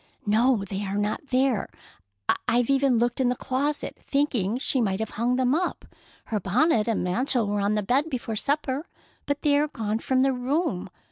"No, they are not there. I've even looked in the closet, thinking she might have hung them up. Her bonnet and mantle were on the bed before supper, but they are gone from the room.